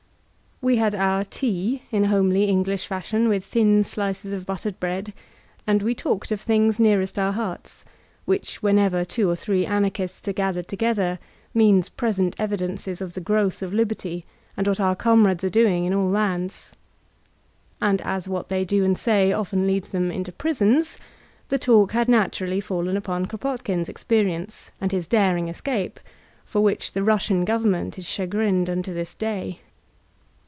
We had our "tea" in homely English fashion, with thin slices of buttered bread ; and we talked of things nearest our hearts, which, whenever two of three Anarchists are gathered together, means present evidences of the growth of liberty and what our com The Making op an Anarchist 1$$ ndes are doii^ in all lands. And as what they do and say often leads them into prisons, the talk had naturally faOcn upon Kropotkin's experience and his daring escape^ for which the Russian government is chagrined unto this day.